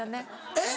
えっ？